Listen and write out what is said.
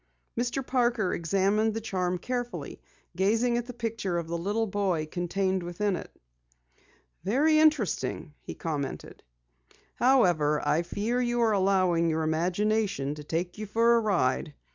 Mr. Parker examined the charm carefully, gazing at the picture of the little boy contained within it. "Very interesting," he commented. "However, I fear you are allowing your imagination to take you for a ride.